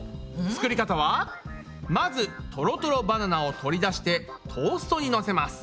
作り方はまずトロトロバナナを取り出してトーストにのせます。